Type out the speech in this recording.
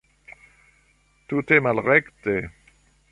Tute malrekte!